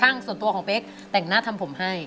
อเรนนี่คือเหตุการณ์เริ่มต้นหลอนช่วงแรกแล้วมีอะไรอีก